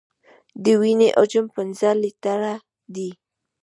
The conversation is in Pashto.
د وینې حجم پنځه لیټره دی.